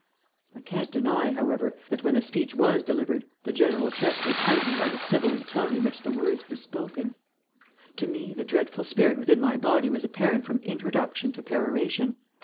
I can't deny, however, that when the speech was delivered the general effect was heightened by the sibilant tone in which the words were spoken. To me the dreadful spirit within my body was apparent from introduction to peroration.